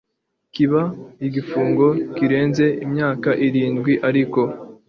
kiba igifungo kirenze imyaka irindwi ariko